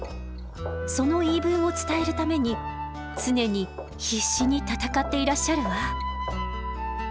その言い分を伝えるために常に必死に戦っていらっしゃるわ。